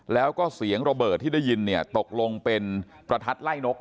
แล้วก็เสียงระเบิดที่ได้ยินตกลงเป็นประทัดไล่นก